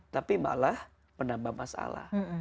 tapi malah menambah masalah